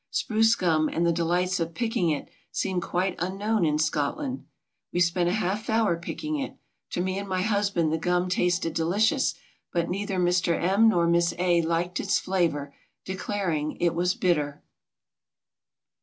Spruce gum and the delights of picking it seem quite unknown in Scot land. We spent a half hour picking it. To me and my hus band the gum tasted delicious, but neither Mr. M. nor Miss A. liked its flavor declaring it was 'bitter'.